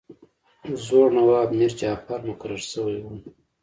زوړ نواب میرجعفر مقرر شوی وو.